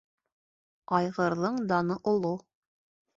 Айғырҙың даны оло.